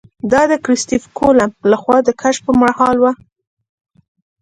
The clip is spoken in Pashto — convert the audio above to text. دا د کرسټېف کولمب له خوا د کشف پر مهال وه.